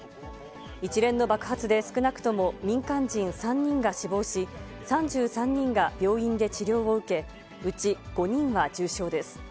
一連の爆発で少なくとも民間人３人が死亡し、３３人が病院で治療を受け、うち５人は重傷です。